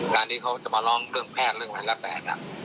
การที่เขาจะมาลองเรื่องแพทย์เรื่องแผนละแปด